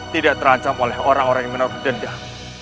tidak terancam oleh orang orang yang menerima dendam